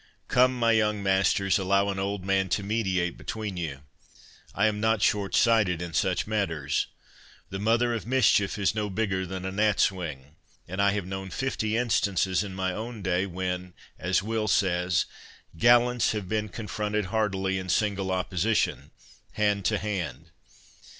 "Come, my young masters, allow an old man to mediate between you. I am not shortsighted in such matters—The mother of mischief is no bigger than a gnat's wing; and I have known fifty instances in my own day, when, as Will says— 'Gallants have been confronted hardily, In single opposition, hand to hand.